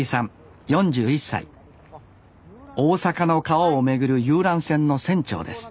大阪の川を巡る遊覧船の船長です